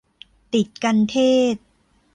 ติดกัณฑ์เทศน์